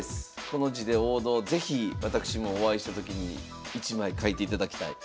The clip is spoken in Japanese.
この字で「王道」是非私もお会いしたときに一枚書いていただきたい。